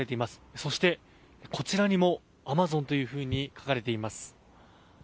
そしてこちらにも「Ａｍａｚｏｎ」というふうに書かれています。